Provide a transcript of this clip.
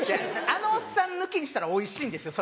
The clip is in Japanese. あのおっさん抜きにしたらおいしいんですよ